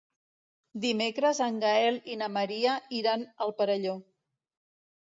Dimecres en Gaël i na Maria iran al Perelló.